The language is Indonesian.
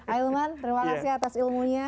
ailman terima kasih atas ilmunya